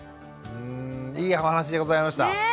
いいお話でございました。